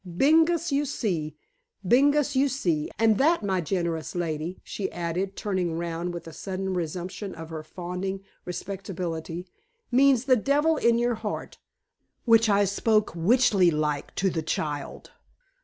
"Bengis your see! Bengis your see! And that, my generous lady," she added, turning round with a sudden resumption of her fawning respectability, "means 'the devil in your heart,' which I spoke witchly like to the child.